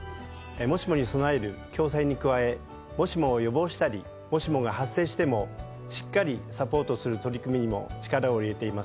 もしもに備える共済に加えもしもを予防したりもしもが発生してもしっかりサポートする取り組みにも力を入れています。